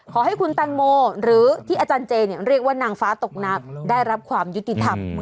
ขอให้คุณแตงโมหรือที่อาจารย์เจเรียกว่านางฟ้าตกหนักได้รับความยุติธรรม